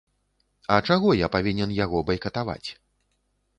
А чаго я павінен яго байкатаваць?!